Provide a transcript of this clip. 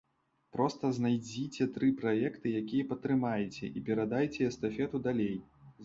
Проста знайдзіце тры праекты, якія падтрымаеце, і перадайце эстафету далей.